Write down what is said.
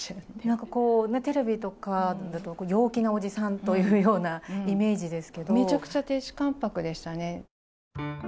なんかこう、テレビとかだと陽気なおじさんというようなイメめちゃくちゃ亭主関白でしたね。